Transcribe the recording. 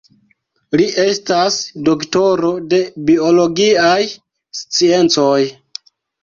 Li estas doktoro de biologiaj sciencoj.